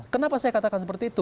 kenapa saya katakan seperti itu